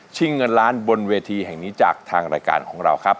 เงินล้านบนเวทีแห่งนี้จากทางรายการของเราครับ